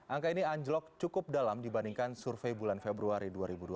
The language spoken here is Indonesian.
angka ini anjlok cukup dalam dibandingkan survei bulan februari dua ribu dua puluh